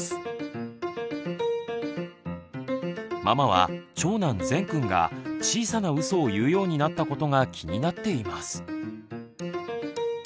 ママは長男ぜんくんが小さなうそを言うようになったことが気になっています。